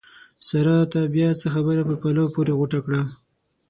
سارا! تا بیا څه خبره په پلو پورې غوټه کړه؟!